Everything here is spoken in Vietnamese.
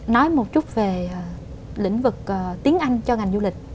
nói một chút về lĩnh vực tiếng anh cho ngành du lịch